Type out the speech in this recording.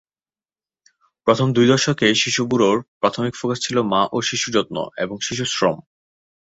প্রথম দুই দশকে শিশু ব্যুরোর প্রাথমিক ফোকাস ছিল মা ও শিশু যত্ন এবং শিশুশ্রম।